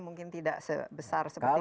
mungkin tidak sebesar seperti